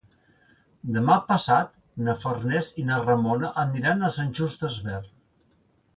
Demà passat na Farners i na Ramona aniran a Sant Just Desvern.